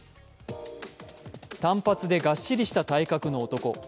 短髪でがっしりした体格の男。